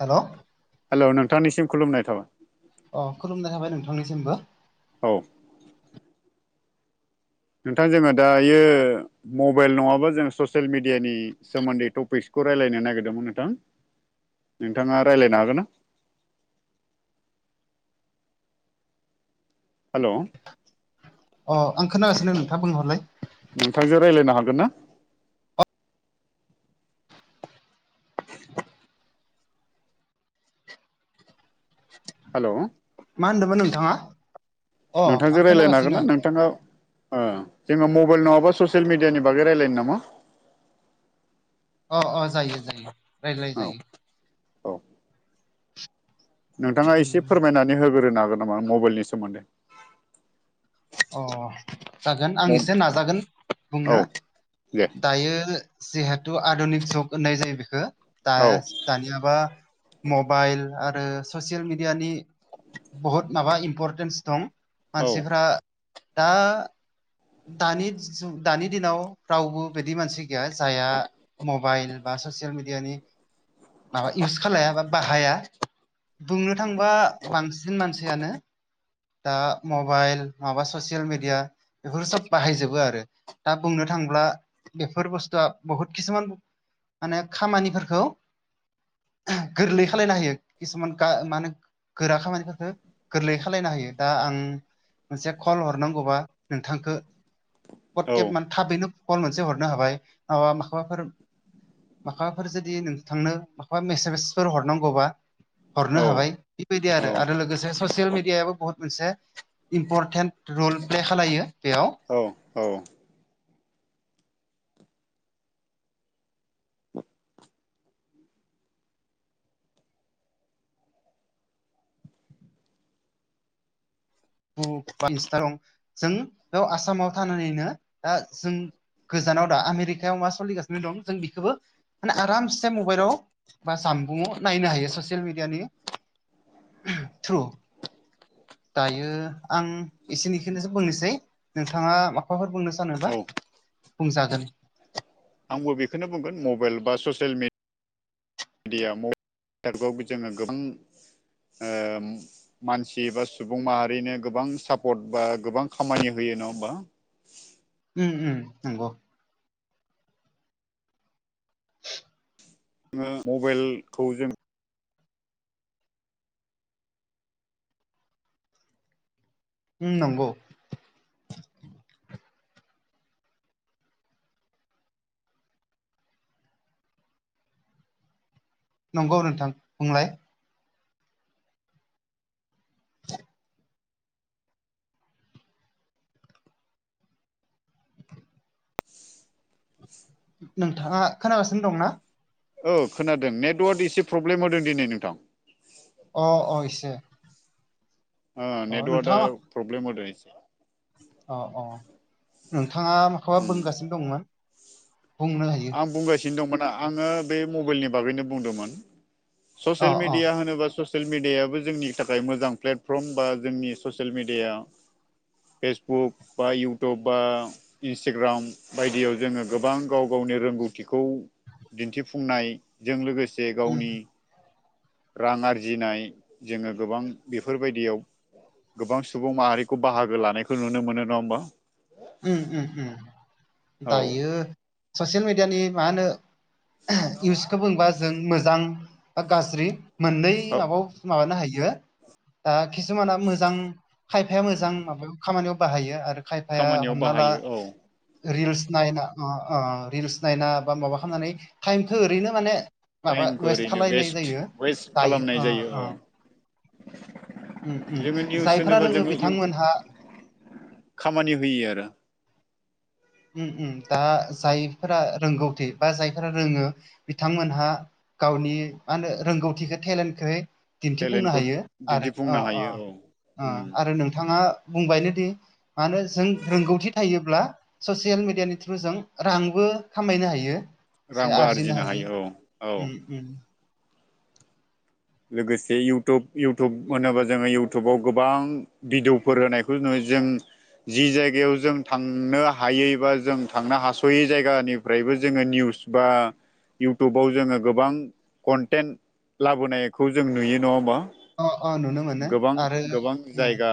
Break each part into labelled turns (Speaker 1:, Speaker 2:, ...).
Speaker 1: Hello
Speaker 2: hello नोंथांनिसिम खुलुमनाय थाबाय।
Speaker 1: अ खुलुमनाय थाबाय नोंथांनिसिमबो
Speaker 2: औ नोंथां जोंङो दायो मबाइल नङाबा जोंङो ससियेल मिडियानि सोमोन्दै टपिक खौ रायनो नागिरदोंमोन नोंथां नोंथाङा रायलायनो हागोन ना [inaudible] हेलौ
Speaker 1: अ आं खोनागासिनो नोंथां बुंहरलाय
Speaker 2: नोंथांजों रायलायनो हागोन ना। हेलौ
Speaker 1: मा होनदोमोन नोंथाङा अ आं
Speaker 2: नोंथांजों रायलायनो
Speaker 1: खोनागासिनो
Speaker 2: हागोनना नोंथाङा ओ जोंङो मबाइल नङाबा ससियेल मिडियानि बागै रायलायनो नामा।
Speaker 1: अ अ जायो जायो रायजलाय
Speaker 2: औ
Speaker 1: जायो।
Speaker 2: औ नोंथांङा एसे फोरमायनानै होग्रोनो हागोन नामा मबाइलनि सोमोन्दै।
Speaker 1: अ जागोन आं एसे
Speaker 2: औ
Speaker 1: नाजागोन बुंनो
Speaker 2: दे
Speaker 1: दायो जिहेतु आधुनिक जुग होननाय जायो बेखो
Speaker 2: औ
Speaker 1: दास दानियाबा मबाइल आरो ससियेल मिडियानि बहुत माबा इम्परटेन्स दं
Speaker 2: औ
Speaker 1: मानसिफ्रा दा दानि दिनाव रावबो बिदि मानसि गैया जायहा मबाइल बा ससियेल मिडियानि माबा इउस खालाया बा बाहाया बुंनो थांबा बांसिन मानसियानो दा मबाइल माबा ससियेल मिडिया बेफोर सोब बाहायजोबो आरो दा बुंनो था ब्ला बेफोर बुस्थुआ बुहुद खिसुमान माने खामानिफोरखौ गोरलै खालायनो हायो किसुमान का मा होनो गोरा खामानिफोरखो गोरलै खालायनो हायो। दा आं मोनसे कल हरनांगौबा नोंथांखो पट
Speaker 2: औ
Speaker 1: केे माने थाबैनो कल मोनसे हरनो हाबाय ओ माखोबाफोर माखोबाफोर जुदि नोंथांनो माखोबा मेसेजफोर हरनांगौबा हरनो
Speaker 2: औ
Speaker 1: हाबाय इबायदि आरो लोगोसे ससियेल मिडियाबो बुहुत मोनसे इम्परटेन्ट रल प्ले खालायो बेयाव
Speaker 2: औ औ
Speaker 1: दं जों बेयाव आसामाव थानानैनो दा जों गोजानाव दा आमेरिकायाव मा सलिगासिनो दं जों बेखोबो माने आरामसे मबाइलाव बा जाम बुंआव नायनो हायो ससियेल मिडियानि थ्रु दा यो आं एसेनिखोनोसो बुंनोसै नोंथाङा माबाफोर बुंनो सानोबा बुं जागोन।
Speaker 2: आंबो बेखोनो बुंगोन मबाइल बा ससियेल मि मिडिया जोंङो गोबां ओ मानसि एबा सुबुं माहारिनो गोबां सापर्ट बा गोबां खामानि होयो। नङा होमबा।
Speaker 1: उम उम नंगौ
Speaker 2: ओ मबाइलखौ जों
Speaker 1: उम नंगौ। नंगौ नोंथां बुंलाय नोंथाङा खोनागासिनो दं ना?
Speaker 2: औ खोनादों नेटवार्क एसे प्रब्लेम होदों दिनै नोंथां।
Speaker 1: अ अ इसे
Speaker 2: आ नेटवर्ट या प्रग्रेम होदों एसे।
Speaker 1: अ अ नोंथाङा मखौबा
Speaker 2: उम
Speaker 1: बुंगासिनो दंमोन। बुंनो हायो।
Speaker 2: मोन आङो बे मबाइलनि बागैनो बुंदोंमोन
Speaker 1: अ
Speaker 2: ससेल
Speaker 1: अ
Speaker 2: मिडिया होनोबा ससियेल मिडियाबो जोंनि थाखाय मोजां प्लेटफर्म बा जोंनि ससियेल मिडिया फेसबुक बा इउटुब बा इन्सटाग्राम बायदियाव जोङो गोबां गाव गावनि रोंगौथिखौ दिन्थिफुंनायजों लोगोसे
Speaker 1: उम
Speaker 2: गावनि रां आरजिनाय जोङो गोबां बेफोरबायदियाव गोबां सुबुं माहारिखौ बाहागो लानायखौ नुनो मोनो नङा होमबा।
Speaker 1: ओम ओम ओम
Speaker 2: औ
Speaker 1: दायो ससियेल मिडियानि मा होनो इउसखौ बुंबा जों मोजां बा गाज्रि मोननै
Speaker 2: औ
Speaker 1: माबायाव माबानो हायो। ओ किसुमाना मोजां खायफाया मोजां माब खामानियाव बाहायो आरो खाय फाया
Speaker 2: खामानियाव
Speaker 1: हमना ला
Speaker 2: बाहायो औ
Speaker 1: रिल्स नायना अ ओ रिल्स नायना बा माबा खालामनानै टाइमखौ ओरैनो माने माबा
Speaker 2: टाइमखौ
Speaker 1: वेस्ट
Speaker 2: ओरैनो
Speaker 1: खालनाय जायो
Speaker 2: वेस्ट
Speaker 1: दायो
Speaker 2: खालामनाय
Speaker 1: ओ
Speaker 2: जायो
Speaker 1: ओ
Speaker 2: औ जोङो निउस
Speaker 1: जायफोरा
Speaker 2: होनोबा
Speaker 1: रोङो
Speaker 2: जोङो
Speaker 1: बिथांमोनहा
Speaker 2: इउटुब खामानि होयो आरो।
Speaker 1: ओम ओम दा जायफोरा रोंगौथि बा जायफोरा रोङो बिथांमोनहा गावनि मा होनो रोंगौथिखौ टेलेन्टखो दिन्थिफुंनो
Speaker 2: टेलेन्टखौ
Speaker 1: हायो आरो अ
Speaker 2: दिन्थिफुंनो
Speaker 1: ओ
Speaker 2: हायो औ
Speaker 1: ओ
Speaker 2: उम
Speaker 1: आरो नोंथाङा बुंबायनो दि मानो जों रोंगौथि थायोब्ला ससियेल मेडियानि थ्रु जों रांबो खामायनो हायो एसे
Speaker 2: रांबो
Speaker 1: आरजिनो
Speaker 2: औ औ
Speaker 1: हायो।
Speaker 2: लोगोसे इउटुब इउटुब होनोबा जोङो इउटुबाव गोबां भिडिअफोर होनायखौ नु जों जि जायगायाव जों थांनो हायै बा जों थांनो हास'यै जायगानिफ्रायबो जोङो निउस बा इउथुबाव जोङो गोबां कन्टेन लाबोनाय खौ जों नुयो नङा होमबा।
Speaker 1: अ अ नुनो मोनो
Speaker 2: गोबां
Speaker 1: आरो
Speaker 2: गोबां
Speaker 1: ओ
Speaker 2: जायगा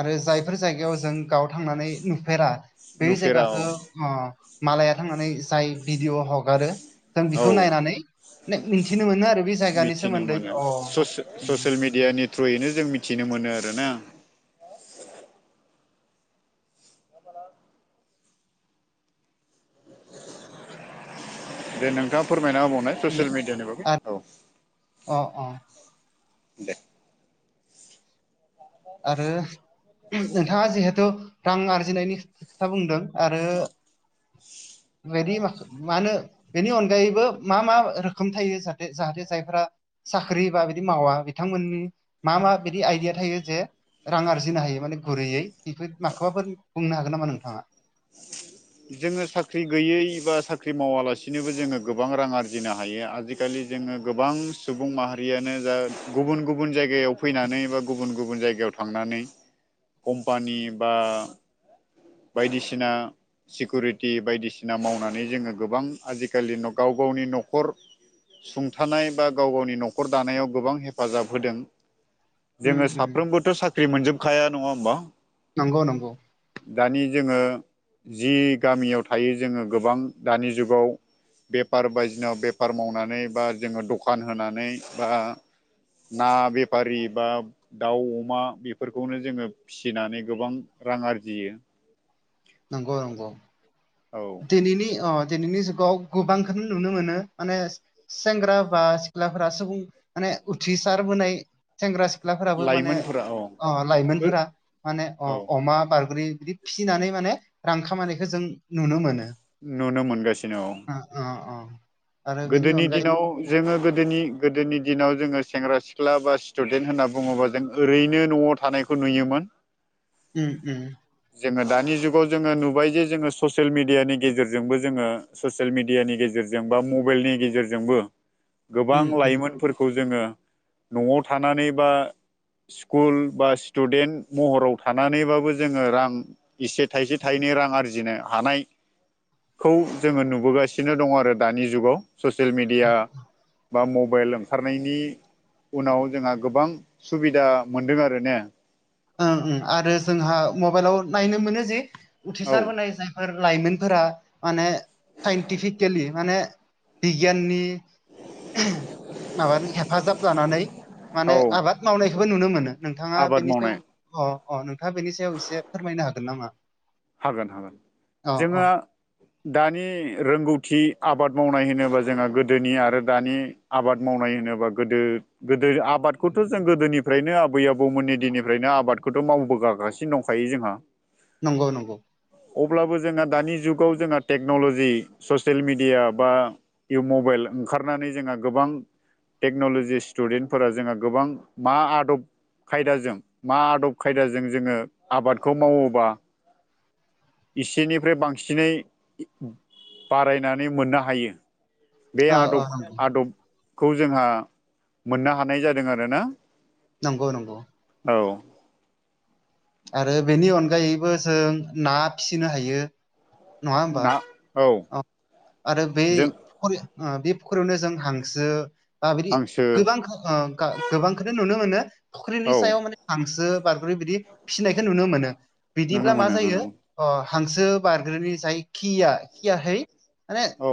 Speaker 1: आरो जायफोर जायगायाव जों गाव थांनानै नुफेरा बे
Speaker 2: नुफेरा औ
Speaker 1: जायगाखौ मालाया थांनानै जाय भिडिअ' हगारो जों
Speaker 2: औ
Speaker 1: बेखौ नायनानै मिन्थिनो मोनो आरो बे जायगानि
Speaker 2: मिथिनो
Speaker 1: सोमोन्दै
Speaker 2: मोनो
Speaker 1: अ
Speaker 2: ससियेल मिडियानि थ्रुयैनो जों मिथिनो मोनो आरो ना। दे नोंथाङा फोरमायना होबावनाय ससियेल मिडियानि बागै
Speaker 1: आरो
Speaker 2: औ
Speaker 1: अ अ
Speaker 2: दे
Speaker 1: आरो नोंथाङा जिहेथु रां आरजिनायनि खोथा बुंदों आरो
Speaker 2: औ
Speaker 1: बेदि माख मा होनो बेनि अनगायैबो मा मा रोखोम थायो जाहाथे जाहाथे जायफ्रा साख्रि बा बिदि मावा बिथांमोननि मा मा बिदि आइडिया थायो जे रां आरजिनो हायो माने गुरैयै बेफोर माखौबाफोर बुंनो हागोन नामा नोंथाङा।
Speaker 2: जोङो साख्रि गैयै बा साख्रि मावालासिनोबो जोङो गोबां रां आरजिनो हायो आजिखालि जोङो गोबां सुबुं माहारियानो जा गुबुन-गुबुन जायगायाव फैनानै बा गुबुन-गुबुन जायगायाव थांनानै कम्पानि बा बायदिसिना सिकुरिटि बायदिसिना मावनानै जोङो गोबां आजिखालि गाव गाव नि न'खर सुंथानाय बा गाव गावनि न'खर दानायाव गोबां हेफाजाब होदों।
Speaker 1: उम
Speaker 2: जोङो
Speaker 1: उम
Speaker 2: साफ्रोमबोथ' साख्रि मोनजोबखाया, नङा होमबा?
Speaker 1: नंगौ, नंगौ।
Speaker 2: दानि जोङो जि गामियाव थायो जोङो गोबां दानि जुगाव बेफार बायदिसिना बेफार मावनानै बा जोङो द'खान होनानै बा ना बेफारि बा दाउ-अमा बेफोरखौनो जोङो फिसिनानै गोबां रां आरजियो।
Speaker 1: नंगौ नंगौ
Speaker 2: औ
Speaker 1: दिनैनि ओ दिनैनि जुगाव गोबांखौनो नुनो मोनो माने सेंग्रा बा सिख्लाफोरा सुबुं माने उथ्रिसारबोनाय सेंग्रा-सि ख्लाफोराबो माने
Speaker 2: लाइमोनफोरा औ
Speaker 1: अ लाइमोनफोरा माने अ
Speaker 2: औ
Speaker 1: अमा बारग्रि बिदि फिसिनानै माने रां खामानायखौ जों नुनो मोनो।
Speaker 2: नुनो मोनगासिनो औ
Speaker 1: ओ ओ ओ आरो बेनि
Speaker 2: गोदोनि
Speaker 1: अनगायै
Speaker 2: दिनाव जोङो गोदोनि गोदोनि दिनाव जोङो सेंग्रा-सिख्ला बा स्टुडेन्ट होनना बुङोबा जों ओरैनो न'आव थानाय खौ नुयोमोन।
Speaker 1: उम उम
Speaker 2: जोंहा दानि जुगाव जोङो नुबाय जे जोङो ससेल मिडियानि गेजेरजोंबो जोङो ससेल मिडियानि गेजेर जों बा मबेलनि गेजेरजोंबो गोबां
Speaker 1: उम उम
Speaker 2: लाइमोनफोरखौ जोङो न'आव थानानै बा स्कुल बा स्टुडेन्ट महराव थानानैबाबो जों ओ रां एसे थाइसे-थाइनै रां आरजिनो हानाय खौ जोङो नुबोगासिनो दं आरो दानि जुगाव ससेल मिडिया बा मबेल ओंखारनायनि उनाव जोंहा गोबां सुबिदा मोनदों आरो ने?
Speaker 1: ओं ओं आरो जोंहा मबाइलाव नायनो मोनो जि
Speaker 2: औ
Speaker 1: उथ्रिसार होनाय जायफोर लाइमोन फोरि माने साइनटिफिकेलि माने बिगियाननि माबानि हेफाजाब लानानै माने
Speaker 2: औ
Speaker 1: आबाद मावनायखौबो नुनो मोनो। नोंथाङा
Speaker 2: आबाद
Speaker 1: बेनि सायाव
Speaker 2: मावनाय
Speaker 1: अ अ नोंथाङा बेनि सायाव एसे फोरमायनो हागोन नामा?
Speaker 2: हागोन, हागोन।
Speaker 1: अ अ
Speaker 2: जोङो दानि रोंगौथि आबाद मावनाय होनोबा जोंहा गोदोनि आरो दानि आबाद माव नाय होनोबा गोदो गोदो आबादखौथ' जों गोदोनिफ्रायनो आबै-आबौमोननि दिननिफ्रायनो आबादखौ मावबोगागासिनो दंखायो जोंहा।
Speaker 1: नंगौ, नंगौ।
Speaker 2: अब्लाबो जोंहा दानि जुगाव जोंहा टेक्न'लजि ससेल मिडिया बा इ मबेल ओंखारनानै जोंहा गोबां टेक्न'ल'जि स्टुडेन्टफोरा जोंहा गोबां मा आदब खायदाजों मा आदब खायदाजों जोङो आबादखौ मावोबा इसेनिफ्राय बांसिनै बारायनानै मोननो हायो बे
Speaker 1: अ अ
Speaker 2: आदब आदबखौ जोंहा मोननो हानाय जादों आरोना
Speaker 1: नंगौ नंगौ।
Speaker 2: औ
Speaker 1: आरो बेनि अनगायैबो जों ना फिसिनो हायो, नङा होमबा? औ आरो बे
Speaker 2: जों
Speaker 1: फुखुरि बे फुख्रियावनो जों हांसो ओ बिदि
Speaker 2: हांसो
Speaker 1: गोबां ओ गोबांखौनो नुनो मोनो।
Speaker 2: औ
Speaker 1: फुख्रिनि सायाव माने हांसो बाग्रै बिदि फिसिनायखौ नुनो मोनो।
Speaker 2: नुनो
Speaker 1: बिदिब्ला मा
Speaker 2: मोनो
Speaker 1: जायो
Speaker 2: नुनो मोनो
Speaker 1: अ हांसो बारग्रोनोनि जाय खिया खियाहै
Speaker 2: औ।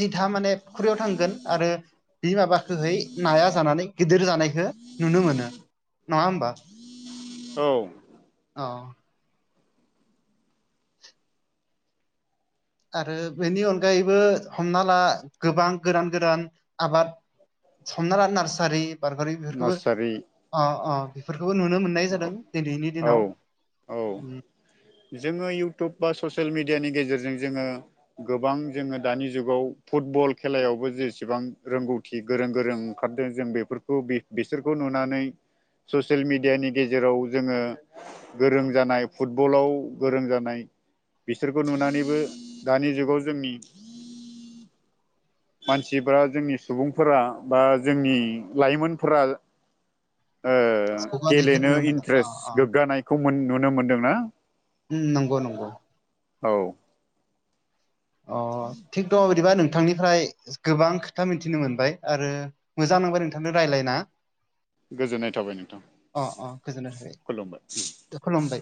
Speaker 1: जिथा माने फुख्रियाव थांगोन आरो बि माबाखोहै नाया जानानै गिदिर जानायखौ नुनो मोनो। नङा होमबा?
Speaker 2: औ।
Speaker 1: अ आरो बेनि अनगायैबो हमना ला गोबां गोरान गोरान आबाद हमना ला नार्सारि बारगारि बेफोरखौबो
Speaker 2: नार्सारि
Speaker 1: अ अ बेफोर खौबो नुनो मोननाय जादों दिनैनि
Speaker 2: औ
Speaker 1: दिनाव।
Speaker 2: औ, जोङो इउटुब बा ससियेल मेडि डिया नि गेजेरजों जोङो गोबां जोङो दानि जुगाव फुटबल खेलायावबो जेसेबां रोंगौथि गोरों गोरों ओंखारदों जों बेफोरखौ बे-बेसोरखौ नुनानै ससियेल मेडियानि गेजेराव जोङो गोरों जानाय फुटबलाव गोरों जानाय बिसोरखौ नुनानैबो दानि जुगाव जोंनि मानसिफ्रा जोंनि सुबुंफोरा बा जोंनि लाइमोनफोरा
Speaker 1: [unintelligible]
Speaker 2: नो
Speaker 1: अ
Speaker 2: इन्ट्रेस
Speaker 1: अ
Speaker 2: गोग्गानायखौ मोन नुनो मोनदों ना?
Speaker 1: ओम नंगौ नंगौ।
Speaker 2: औ।
Speaker 1: अ थिग दङ' बिदिबा नोंथांनि निफ्राय गोबां खोथा मिथिनो मोनबाय आरो मोजां नांबाय नोंथांनो रायलायना
Speaker 2: [inaudible] गोजोननाय थाबाय नोंथां
Speaker 1: अ गोजोननाय थाबाय
Speaker 2: खुलुमबाय।
Speaker 1: खुलुमबाय